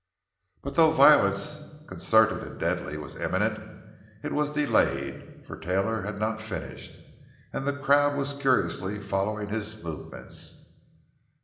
But though violence, concerted and deadly, was imminent, it was delayed. For Taylor had not yet finished, and the crowd was curiously following his movements.